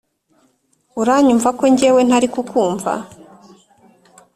uranyumva ko njyewe ntari kukumva?